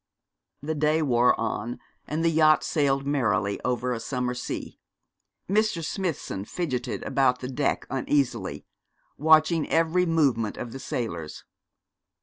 The day wore on, and the yacht sailed merrily over a summer sea. Mr. Smithson fidgeted about the deck uneasily, watching every movement of the sailors.